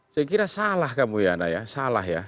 saya kira salah kamu ya nayah salah ya